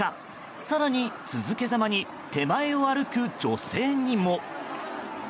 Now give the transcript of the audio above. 更に続けざまに手前を歩く女性にも。